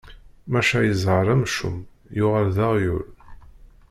Maca i ẓẓher amcum, yuɣal d aɣyul.